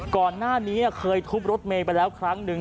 ก่อนหน้านี้เคยทุบรถเมย์ไปแล้วครั้งหนึ่ง